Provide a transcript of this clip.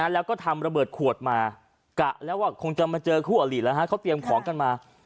แล้วก็ทำระเบิดขวดมากะแล้วว่าคงจะมาเจอคู่อลิแล้วฮะเขาเตรียมของกันมา